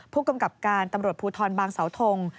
ผู้กำกับการตำรวจภูทรบางเสาทง